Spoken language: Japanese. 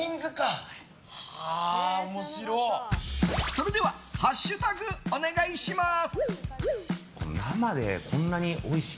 それではハッシュタグお願いします！